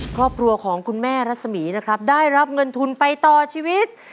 ครอบครัวของคุณแม่รัศมีนะครับได้รับเงินทุนไปต่อชีวิต